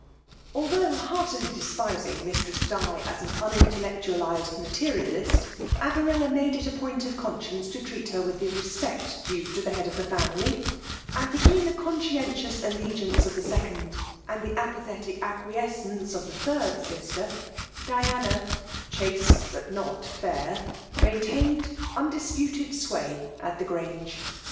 Although heartily despising Mistress Di as an unintellectuaHzed materialist^ Avarilla made it a point of consci^icc to treat her with the respect due to the head of the family; and, between the conscientious allegianoe of the second^ and the apathetic acquiescence of the third sister, Diana — chaste, but not fair — loaintained undisputed sway at the Grange.